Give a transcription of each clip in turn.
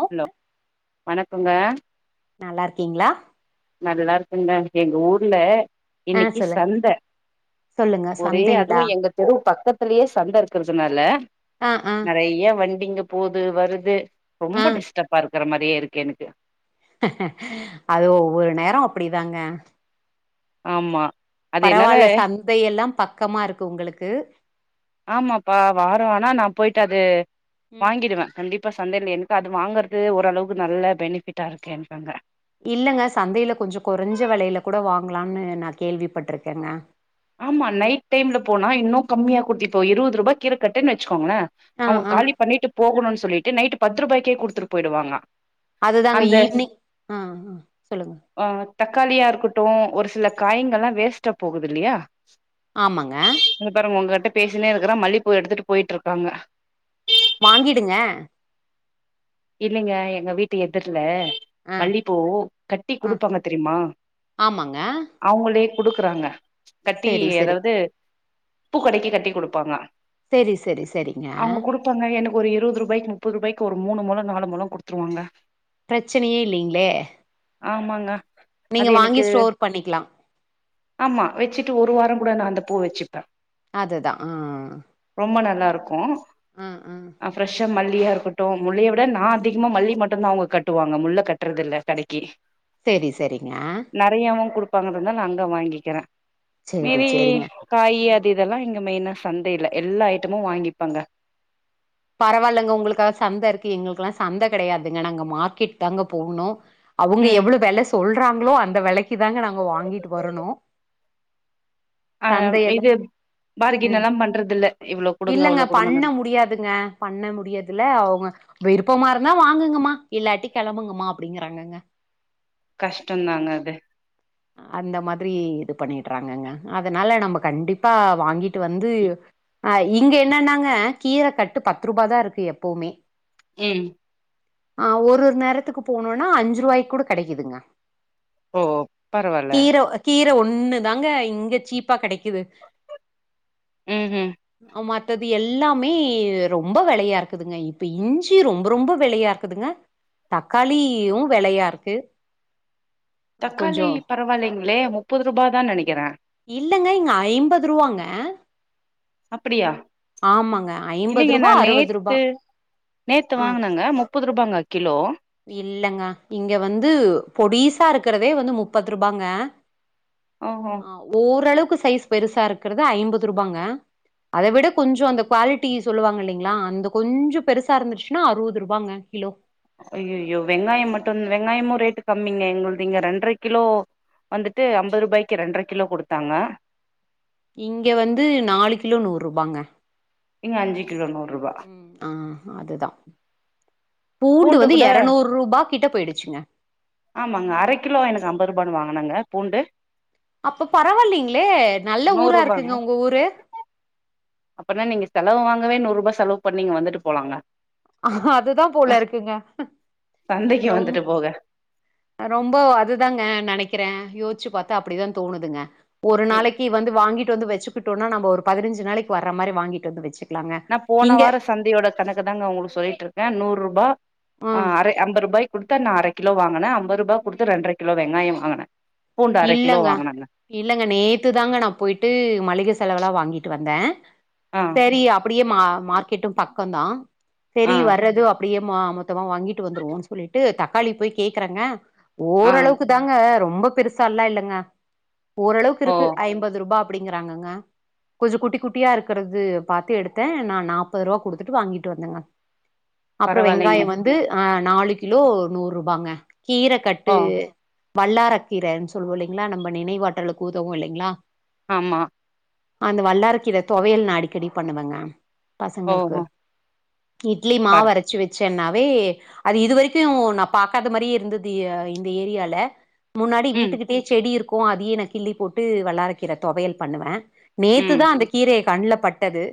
ஓ hello வணக்கங்க நல்லாருக்கிங்ளா நல்லாருக்கன்டா எங்க ஊர்ல ஆ இன்னைக்கு சொல்லுங் சந்த சொல்லுங்க ஒரே அதுவு சந்தைங்களா எங்க தெரு பக்கத்துலயே சந்த இருக்கிறதுனால ஆ ஆ நெறைய வண்டிங்க போது வருது ஆ ரொம்ப டிஸ்டர்பா இருக்கிற மாரியே இருக்கு எனக்கு அது ஒவ்வொரு நேர அப்படிதாங்க ஆமா அது என்னால பரவால சந்தையெல்லா பக்கமா இருக்கு உங்களுக்கு ஆமாப்பா வாரோ ஆனா நா போயிட்டு அது ம் வாங்கிடுவே கண்டிப் பா சந்தையில எனக்கு அது வாங்கர்து ஓரளவுக்கு நல்ல பெனிஃபிட்டா இருக்கு எனக் அங்க இல்லங்க சந்தையில கொஞ்ச கொறஞ்ச வெலையில கூட வாங்கலான்னு நா கேள்விப்பட்டிருக்கேங்க ஆமா நைட் டைம்ல போனா இன்னு கம்மியா குத்திருப்போ இருபது ரூபா கீர கட்டுன் வச்சுக்கோங்ளே ஆ அவுங்க ஆ காலி பண்ணிட்டு போகணுன் சொல்லிட்டு நைட்டு பத்து ரூபாய்க்கே குடுத்துட்டு போயிடுவாங்க அதுதாங்க அந்த ஈவ்னிங் அ ஆ சொல்லுங்க ஆ தக்காளியா இருக்கட்டு ஒரு சில காய்ங்கள்லா வேஸ்டா போகுது இல்லையா ஆமாங்க இங்க பாருங்க உங்கட்ட பேசினே இருக்குற மல்லிப்பூ எடுத்துட்டு போயிட்ருக்காங்க வாங்கிடுங்க இல்லைங்க எங்க வீட்டு எதுர்ல ஆ மல்லிப்பூ கட்டி ஆ குடுப்பாங்க தெரிமா ஆமாங்க அவங்களே குடுக்குறாங்க கட்டி செரி செரி அதாவது பூ கடைக்கு கட்டி குடுப்பாங்க செரி செரி செரிங்க அவங்க குடுப்பாங்க எனக்கு ஒரு இருபது ருபாய்க்கு முப்பது ருபாய்க்கு ஒரு மூனு மொழ நாலு மொழ குடுத்துருவாங்க பிரச்சனையே இல்லைங்ளே ஆமாங்க அது எனக்கு ஸ்டோர் பண்ணிக்கலா ஆமா வெச்சிட்டு ஒரு வாரங் கூட நா அந்த பூ வெச்சுப்ப அதுதா ஆ ஆ அ ரொம்ப நல்லாருக்கு ஆ ஆ ஆ ப்ரெஷா மல்லியா இருக்கட்டு முல்லையா இல்ல நா அதிகமா மல்லி மட்டுந்தா அவங்க கட்டுவாங்க முல்ல கட்றது இல்ல கடைக்கி செரி செரிங்க நெறையாவு குடுப்பாங்கனு தா நா அங்க வாங்கிக்கிறே சேரி மீதி சேரிங்க காய் அது இது இதெல்லா இங்க மெயினா சந்தைல எல்லா ஐட்டமு வாங்கிப்பாங்க பரவாயில்லங்க உங்களுக்காது சந்த இருக்கு எங்களுக்குல்லா சந்த கெடையாதுங்க நாங்க மார்க்கெட் தாங்க போணு அவுங்க ம் எவ்ளோ வெல சொல்றாங்ளோ அந்த வெலைக்கு தாங்க நாங்க வாங்கிட்டு வரணு ஆ சந்தையெல்லா இது பார்கின்னலா பண்றதில்ல இவ்ளோ குடுங்க அவ்ளோ குடுங்கனு இதுங்க பண்ண முடியாதுல அவுங்க விருப்பமா இருந்தா வாங்குங்கமா இல்லாட்டி கெளம்புங்கமா அப்டிங்கிறாங்கங்க கஷ்டந்தாங்க அது அந்த மாதிரி இது பண்ணிட்டுறாங்கங்க அதனால நம்ப கண்டிப்பா வாங்கிட்டு வந்து அ இங்க என்னானாங்க கீர கட்டு பத்து ரூபா தா இருக்கு எப்போமே ம் ஆ ஒருர் நேரத்துக்கு போனுனா அஞ்சு ரூவாய் கூட கெடைக்குதுங்க ஓ பரவால்ல கீர கீர ஒண்ணுதாங்க இங்க சீப்பா கெடைக்குது ம் ம் ஆ மத்தது எல்லாமே ரொம்ப வெலையா இருக்குதுங்க இப்ப இஞ்சி ரொம்ப ரொம்ப வெலையாரு க்குதுங்க தக்காளியு வெலையா இருக்கு தக்காளி கொஞ்சோ பரவாயில்லைங்ளே முப்பது ரூபாதா நெனைக்கிற இல்லங்க இங்க ஐம்பது ரூவாங்க அப்பிடியா ஆமாங்க ஐம்பது ரூபா அறுவது ரூபா நேத்து ஆ வாங்குனங்க முப்பது ரூபாங்க கிலோ இல்லங்க இங்க வந்து பொடிசா இருக்கிறதே வந்து முப்பது ரூபாங்க ஓஹோ ஆ ஓரளவுக்கு சைஸ் பெருசா இருக்கறது ஐம்பது ரூபாங்க அத விட கொஞ்சோ அந்த குவாலிட்டி சொல்லுவாங் இல்லைங்ளா அந்த கொஞ்சோ பெருசா இருந்துச்சுனா அறுபது ரூபாங்க கிலோ அய்யய்யோ வெங்காயோ மட்டு வெங்காயமு ரேட்டு கம்மிங்க எங்களுது இங்க ரெண்டர கிலோ வந்துட்டு அம்பது ரூபாய்க்கு ரெண்டர கிலோ கொடுத்தாங்க இங்க வந்து நாலு கிலோ நூறு ரூபாங்க இங்க அஞ்சு கிலோ நூறுரூபா ஆ அதுதா பூண்டு வந்து இரநூறு ரூபா கிட்ட போயிடுச்சுங்க ஆமாங்க அரை கிலோ எனக்கு ஐம்பது ரூபான்னு வாங்னங்க பூண்டு அப்ப பரவாளீங்களே நல்ல ஊரா நூர்ருபாங்க இருக்குங்க உங்க ஊரு அப்பனா நீங்க செலவு வாங்கவே நூறுரூபா செலவு பண்ணி இங்க வந்துட்டு போலாங்க ஆ அதுதா போல இருக்குங்க சந்தைக்கு ரொம்ப வந்துட்டு போக ரொம்ப அதுதாங்க நெனைக்கற யோசிச்சு பாத்தா அப்டிதா தோணுதுங்க ஒரு எ நாளைக்கு வந்து வாங்கிட்டு வந்து வெச்சுக்கிட்டோன்னா நம்ப ஒரு பதினஞ்சு நாளைக்கு வர்ற மாரி வாங்கிட்டு வந்து வெச்சு நா போன வாரோ சந்தயோட கணக்குதாங்க உங்களுக்கு சொல்லிட்ருக்க நூறு ரூபா ஆ ம் அரை ஐம்பது ரூபாய் குடுத்து நா அரை கிலோ வாங்கன ஐம்பது ரூபாய் குடுத்து ரெண்ட்ர கிலோ வெங்காய வாங்கன இல்லங்க இல்லங்க நேத்து தாங்க நா போயிட்டு மளிக செலவுலா வாங்கிட்டு வந்தே ஆ செரி அப்டியே மா மார்க்கெட்டு பக்க தா ஆ செரி வர்றது அப்டியே மா மொத்தமா வாங்கிட்டு வந்துருவோன் சொல்லிட்டு தக்காளி போய் கேக்குறங்க ஆ ஓரளவுக்கு தாங்க ரொம்ப பெருசாலா இல்லங்க ஓரளவுக்கு ஓ இருக்கு ஐம்பது ரூபா அப்டிங்கறாங்கங்க கொஞ்சசோ குட்டி குட்டியா இருக்கறது பாத்து எடுத்தே நா நாப்பது ரூபா கொடுத்துட்டு வாங்கிட்டு வந்தங்க அப்றோ பரவால்லைங்க வெங்காயோ வந்து ஆ நாலு கிலோ நூறு ரூபாங்க கீர கட்டு ஓ வல்லாரக்கீரன்னு சொல்லுவோ இல்லைங்களா நம்ம நினைவாற்றலுக்கு உதவு இல்லைங்களா ஆமா அந்த வல்லாரக் கீர தொவையல் நா அடிக்கடி பண்ணுவங்க பசங்கள்க்கு ஓஹோ இட்லி பாரு மாவு அரச்சு வச்சனாவே அது இது வரைக்கு நா பாக்காத மாரியே இருந்தது இந்த ஏரியால முன்னாடி ம் வீட்டுக்கிட்டயே செடி இருக்கு அதியே நா கிள்ளி போட்டு வல்லார கீர தொவையல் பண்ணுவ நேத்து ம் தா அந்த கீர ஏ கண்ணுல பட்டது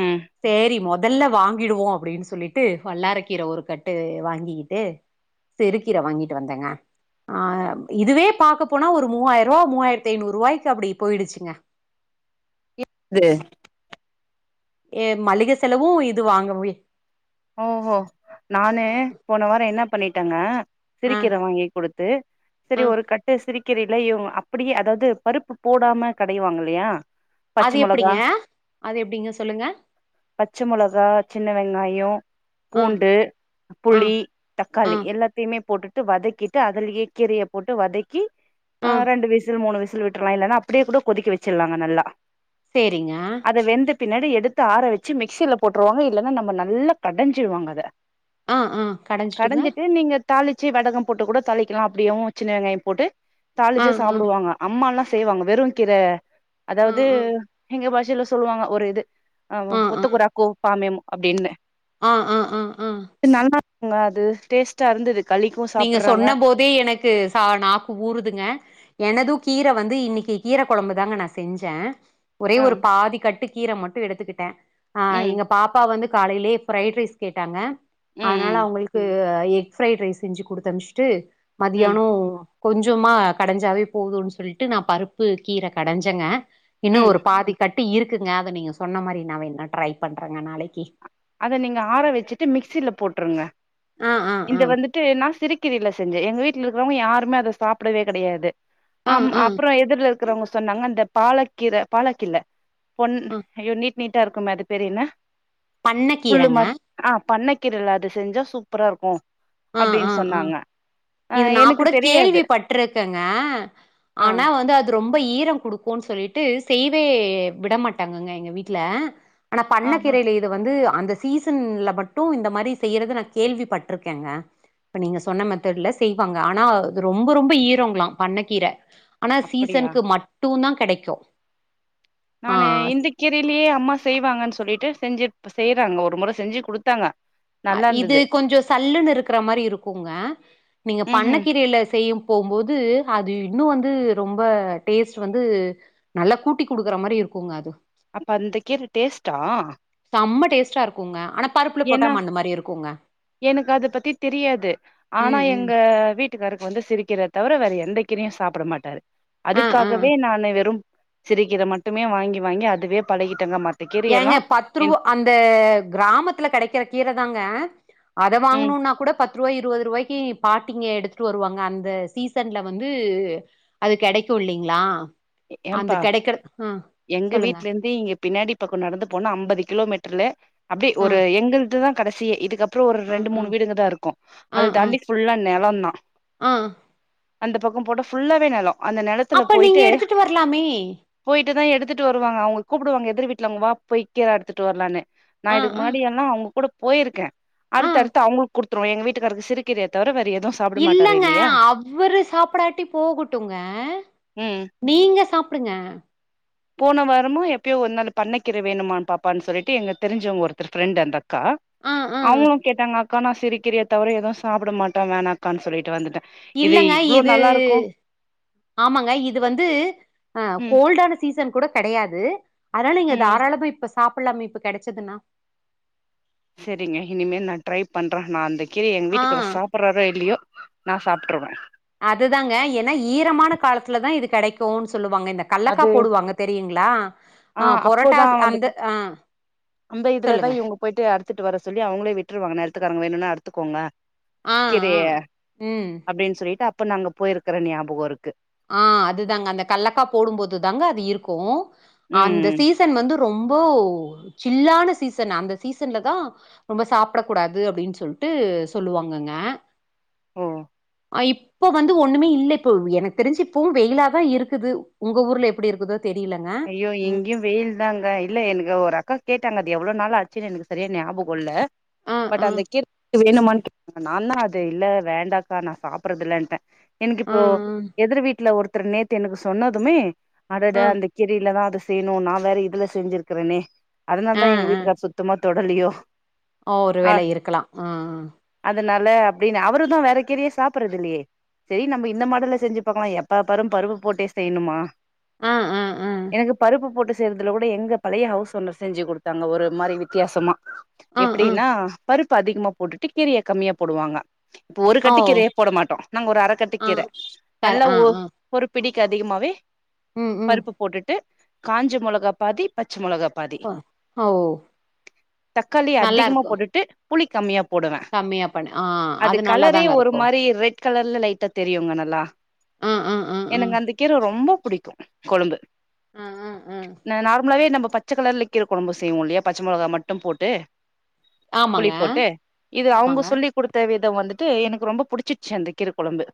ம் சேரி மொ முதல்ல வாங்கிடுவோ அப்டின்னு சொல்லிட்டு வல்லாரக்கீர ஒரு கட்டு வாங்கிகிட்டு சிருக்கீர வாங்கிட்டு வந்தங்க ஆ இதுவே பாக்க போனா ஒரு மூவாய்ரூவா மூவாயிரத்தி ஐய்நூறுவாய்க்கு அப்டி போய்டுச்சுங்க இப் து ஏ மளிக செலவு இது வாங்கவே ஓஹோ நானு போன வாரோ என்ன பண்ணிட்டங்க ஆ சிருக்கீர வாங்கி கொடுத்து சரி ஆ ஒரு கட்டு சிருக் கீரைல்ல இவுங்க அப்டியே அதாவ்து பருப்பு போடாம கடையுவாங்க இல்லயா அது எப்டிங்க அது எப்டிங்க சொல்லுங்க பச்ச மொளகா சின்ன வெங்காயோ ஆ பூண்டு ஆ புளி ஆ தக்காளி எல்லாத்தயுமே போட்டுட் ட்டு வதக்கிட்டு அதுலயே கீரய போட்டு வதக்கி ஆ அ ரெண்டு விசில் மூணு விசில் விட்டு ட்ரய்லன்னா அப்டியே கூட கொதிக்க வெச்சுர்லாங்க நல்லா சேரிங்க அத வெந்த பின்னாடி எடுத்து ஆற வெச்சு மிக்சில போட்ருவாங்க இல்லன்னா நம்ம நல்லா கடஞ்சுருவாங்க அத ஆ ஆ கடஞ்சுட்டுங்க. கடஞ்சிட்டு நீங்க தாளிச்சு வடகம் போட்டு கூட தாளிக்கலா அப்டியேவு சின்ன வெங்காயம் போட்டு ஆ தாளிச்சு ஆ சாப்டுவாங்க அம்மா எல்லா செய்வாங்க வெறு கீர ஆ அதாவ்து ஆ எங்க பாஷையில சொல்லுவாங்க ஒரு இது ஆமா ஆ ஆ ஒத்தகுடாக்கோ பாமேமோ அப்டின்னு ஆ ஆ ஆ ஆ நல்லாருக்குங்க அது டேஸ்டா இருந்துது நீங்க சொன்ன போதே எனக்கு சா நாக்கு ஊறுதுங்க எனது கீர வந்து இன்னிக்கு கீர கொழம்பு தாங்க நா செஞ்சே ஒரே ஆ ஒரு பாதி கட்டு கீர மட்டு எடுத்துக்கிட்டே ஆ ம் எங்க பாப்பா வந்து காலைலயே ஃப்ரைட் ரைஸ் கேட்டாங்க ம் அதனால ம் அவங்களுக்கு எக் ஃப்ரைட் ரைஸ் செஞ்சு குடுத் அனுப்ச்சிட்டு ம் மதியானோ கொஞ்சமா கடைஞ்சாவே போதுனு சொல்லிட்டு நா பருப்பு கீர கடஞ்சங்க இன்னும் ம் ஒரு பாதி கட்டு இருக்குங்க அத நீங்க சொன்ன மாரி நா வேணா ட்ரை பண்றேங்க நாளைக்கி அத நீங்க ஆற வச்சுட்டு மிக்சில போட்டுருங்க ஆ ஆ ஆ இந்த வந்து டு நா சிருக்கீரைல செஞ்சே எங்கவீட்ல இருக்கிறவங்க யாருமே அத சாப்படவே கெடையாது ஆ ஆம் ஆ அப்புற எதிர்ல இருக்கறவங்க சொன்னாங்க இந்த பாலக்கீர பாலக்கில்ல பொன் ஆ ஐயோ நீட் நீட்டா இருக்கும்ல அது பேர் என்ன பண்ண புல்லு கீரங்க மாரி ஆ பண்ண கீரல அது செஞ்சா சூப்பரா இருக்கு ஆ ஆ அப்டின்னு ஆ சொன்னாங்க ஆ இது நா எனக்கு கூட தெரியாது கேள்வி பட்ருக்கேங்க ஆ ஆனா வந்து அது இ ரொம்ப ஈரோ குடுக்குனு சொல்லிட்டு செய்வே விட மாட்டாங்கங்க எங்க வீட்டுல ஆனா பண்ண ஆஹா கீரையில [unintelligible] இது வந்து அந்த சீசன்ல மட்டு இந்த மாரி செய்யறத நா கேள்வி பட்ருக்கேங்க இப்ப நீங்க சொன்ன மாத் த்தட்ல செய்வாங்க ஆனா ரொம்ப ரொம்ப ஈரங்களா பண்ண கீர ஆனா அப்படியா சீசனுக்கு மட் டூந்தா கிடைக்கு நானு இந்த கீரைய்லயே அம்மா செய்வாங்கன்னு சொல்லிட்டு செஞ்சு ப்ப செய்றாங்க ஒரு முற செஞ்சு குடுத்தாங்க நல்லா இது இருந்தது கொஞ்சோ சல்லுன்னு இருக்கிற மாரி இருக்குங்க நீங்க ம் பண்ண ம் கீரையில செய்யும் போம் போது அது இன்னு வந்து ரொம்ப டேஸ்ட் வந்து நல்லா கூட்டி குடுக்குற மாரி இருக்குங்க அது அப்ப அந்த கீர டேஸ்டா செம்ம டேஸ்டா இருக்குங்க ஆனா பருப்புல ந போட் எனக்கு அத பத்தி தெரியாது ஆனா ம் ம் எங்க வீட் வீட்டுக்காருக்கு வந்து சிரிக்கீரய தவர வேற எந்த கிரயு சாப்பிட மாட்டாரு ஆ ஆ அதுக்காகவே நானு வெறு சிருக்கீர மட்டுமே வாங்கி வாங்கி அதுவே பழகிட்டங்க மட் ஏங்க பத்து ருவா அந் த கிராமத்துல கெடைக்கிற கீர தாங்க அத ம் வாங்கணும்னா கூட பத் த்ராய் இருவது ரூவாய்க்கி பாட்டிங்க எடுத்துட்டு வருவாங்க அந்த சீசன்ல வந்து அது கெடைக்கு இல்லைங்களா அந்த ஏம்பா கெடைக்கிற ஆ எங்க சொல்லுங்க வீட்ல இந்து இங்க பின்னாடி பக்கோ நடந்து போனா அம்பது கிலோமீட்டர்ல அப்டே ஆ ஒரு எங்கள்துதா கடைசிய இது அப்புறோ ஒரு ஆ ரெண்டு ஆ மூணு வீடுங்க தா இருக்கு ஆ அது ஆ தாண்டி ஃபுல்லா நெலந்தா ஆ அந்த பக்கோ போட்டா ஃபுல்லாவே நெலோ அந்த நெலத்துல அப்ப போயிட்டு நீங்க எடுத்துட்டு வரலாமே போயிட்டு தா எடுத்துட்டு வருவாங்க அவங்க கூப்பிடுவாங்க எதிர் வீட்டுல அவங்க வா போய் கேற எடுத்துட்டு வரலான்னு நா ஆ இதுக்கு ஆ முன்னாடியெல்லா அவங்க கூட போயிருக்கே ஆ அடுத்து அடுத்து அவங்களுக்கு குடுத் த்ரோ எங்க வீட்டுகாருக்கு சிறுகீரய தவற வேற எதுஸ் இல்லங்க அவரு சாப்பிடாட்டி போகட்டுங்க ம் நீங்க சாப்டுங்க போன வாரமா எப்பயோ ஒரு நாள் பண்ணக்கிற வேணுமா பாப்பான்னு சொல்லிட்டு எங்க தெரிஞ்சவங்க ஒருத்தர் ஃப்ரெண்டு் அந்த அக்கா ஆ ஆ அவங்களு கேட்டாங்க அக்கா நா சிரு கீரய தவர எது சாப்பிட மாட்டே வேணாக்கானு சொல்லிட்டு வந்துட்டே இல்லங்க இது ஆமாங்க இது வந்து ஆ ம் கோல்டான சீசன் கூட கடையாது அதனால இங்க ம் தாராளமா இப்ப சாப்பில்லாமே இப்ப கெடச்சதுனா சரிங்க இனிமே நா ட்ரை பண்றே நா அந்த கீரய எங்க ஆ வீட்டுக்காற சாப் ப்புறாறோ இல்லயோ நா சாப்ட்ருவே அது தாங்க எனா ஈரமான காலத்துல தா இது கடக்குன்னு சொல்லுவாங்க இந்த கல்லக்கா அது போடுவாங்க தெரியுங்ளா ஆ பொரட்டா அப்போதான் அந்த வந்துட்டு ஆ அந்த இதுலதா சொல்லுங்க இவுங்க போய்ட்டு அறுத்துட்டு வர சொல்லி அவுங்களே விட்டுருவாங்க நெல்த்துக்காரங்க வேணுன்னா அறுத்துக்கோங்க ஆ ஆ கிதைய ம் அப்டின்னு சொல்லிட்டு அப்ப நாங்க போய் இருக்கற ஞாபகோ இருக்கு ஆ அதுதாங்க அந்த கல்லக்கா போடும்போது தாங்க அது இருக்கு அந்த ம் சீச சீசன் வந்து ரொம்ப சில்லான சீசன் அந்த சீசன்லதா ரொம்ப சாப்பட கூடாது அப்டின்னு சொல்ட்டு சொல்லுவாங்கங்க ஓ அ இப்போ வந்து ஒன்னுமே இல்ல இப்போ எனக்கு தெருஞ்சு இப்பவு வெயிலாதா இருக்குது உங்க ஊர்ல எப்டி இருக்குது தெரிலங்க ஐயோ இங்கியு வெயில் இல்ல அங்க இல்ல எனக்கு ஒரு அக்கா கேட்டாங்க அது எவ்ளோ நாள் ஆச்சுன்னு எனக்கு செரியா ஞாபகோ இல்ல ஆ பட் ஆ அந்த கீர் வேணமானு கேட் நாதா அது இல்ல வேண்டாக்கா நா சாப்பறது இல்லன்ட்ட என்க்கு ஆ இப்போ ஆ எதிர் வீட்ல ஒருத்தர் நேத்து எனக்கு சொன்னதுமே அடட ஆ அந்த இல்தா அது செய்ணு நா வேற இதுல செஞ்சிருக்கறனே அதுனால ஆ தா எங்க வீட்டுகாரர் சுத்தமா தொடலியோ ஒ ஒரு வேளை இருக்கலா அதனால அப்டின்னு அவரு தா வேற கீரயே சாப்பட்றது இல்லெயே செரி நம்ம இந்த மாடல்ல செஞ்சு பாக்கலா எப்ப பாரு பருவ போட்டே செய்ணுமா ஆ ஆ ஆ எனக்கு பருப்பு போட்டு செய்றதுல கூட எங்க பழைய ஹவுஸ் ஓனர் செஞ்சு குடுத்தாங்க ஒரு மாரி வித்யாசமா ஆ ஆ எப்டினா பருப்பு அதிகமா போட்டுட்டு கீரய கம்மியா போடுவாங்க இப்ப ஒரு ஆ ஓ கட்டிக்கு கீரய போட மாட்டோ நாங்க ஒரு அர கட்டு ஆ கீர க நல்லா ஆ ஊ ஆ ஒரு பிடிக்கு அதிகமாவே ம் ம் பருப்பு போட்டுட்டு காஞ்சு மொளகா பாதி பச்ச மொளகா பாதி ஓ ஓ! தக்காளி நல்லா அதிகமா இருக்கு போட்டுட்டு புளி கம்மியா போடுவ கம்மியா பண்ணு ஆ அது கலரே நல்லாதாங்க ஒரு இருக்கு மாரி ரெட் கலர்ல லைட்டா தெரியுங்க நல்லா ஆ ஆ ஆ ஆ எனக்கு அந்த கீர ரொம்ப புடிக்கு கொழும்பு அ அ நா நார்மலாவே நம்ம பச்ச கலர்ல கீர கொழம்பு செய்வோ இல்லெயா பச்ச மொளகா மட்டு போட்டு புளி ஆமாங்க போட்டு இது அவுங்க ஆமாங்க சொல்லி குடுத்த விதோ வந்துட்டு எனக்கு ரொம்ப புடிச்சிச்சு அந்த கீர கொழம்பு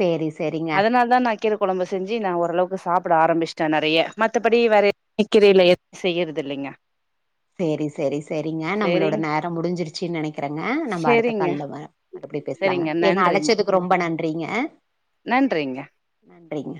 சேரி சேரிங்க அதுனால தா நா கீர கொழம்பு செஞ்சி நா ஓரளவுக்கு சாப்பட ஆரம்பிச் ச நெறையா மத்தபடி வேற க்கீரயில எதுவு செய்யறது இல்லெங்க செரி செரி செரிங்க நம்மளோட சேரிங் நேரோ முடிஞ்சுருச்சி நனக்கிறங்க நம்ப அடுத்த சேரிங்க கால்ல வர மறுபடி பேசலாங்க சேரிங்க என்ன நன்றிங் அழச்சதுக்கு ரொம்ப நன்றிங்க அ நன்றிங்க நன்றிங்க